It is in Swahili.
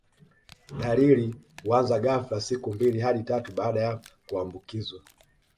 Dalili huanza ghafla siku mbili hadi tatu baada ya kuambukizwa